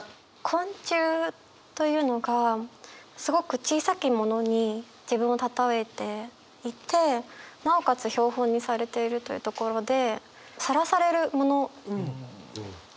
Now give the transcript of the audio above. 昆虫というのがすごく小さきものに自分を例えていてなおかつ標本にされているというところで。